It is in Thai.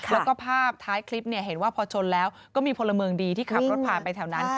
แล้วก็ภาพท้ายคลิปเนี่ยเห็นว่าพอชนแล้วก็มีพลเมืองดีที่ขับรถผ่านไปแถวนั้น